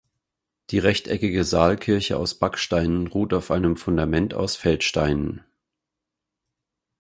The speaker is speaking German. Die rechteckige Saalkirche aus Backsteinen ruht auf einem Fundament aus Feldsteinen.